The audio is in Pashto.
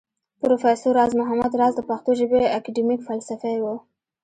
پروفېسر راز محمد راز د پښتو ژبى اکېډمک فلسفى و